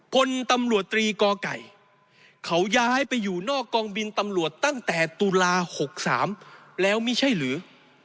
พลตำรวจตรีก่อไก่เขาย้ายไปอยู่นอกกองบินตำรวจตั้งแต่ตุลา๖๓แล้วไม่ใช่หรือ